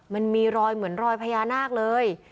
มันมีรอยเหมือนรอยพญานาคเลย